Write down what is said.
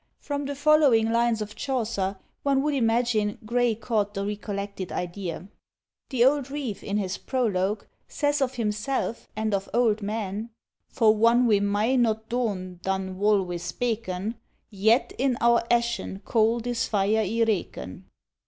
From the following lines of Chaucer, one would imagine Gray caught the recollected idea. The old Reve, in his prologue, says of himself, and of old men, For whan we may not don than wol we speken; Yet in our ASHEN cold is FIRE yreken.